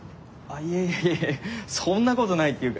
いやいやそんなことないっていうか。